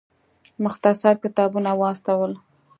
مختصر مکتوبونه واستول.